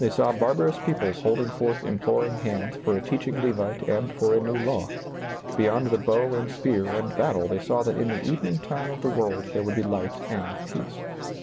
saw barbarous peoples hold ing forth imploring hands for a teaching Levite and for a new law ; beyond the bow and spear and battle they saw that in the evening time of the world there would be light and peace.